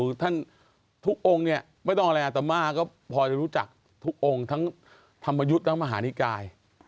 คือท่านทุกองค์เนี่ยไม่ต้องอะไรอาตมาก็พอจะรู้จักทุกองค์ทั้งธรรมยุทธ์ทั้งมหานิกาย